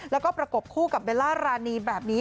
แล้วก็ประกบคู่กับเบลล่ารานีแบบนี้